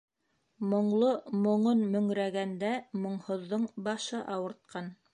Моңло моңон мөңрәгәндә, моңһоҙҙоң башы ауыртҡан.